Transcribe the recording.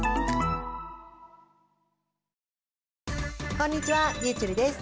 こんにちはりゅうちぇるです。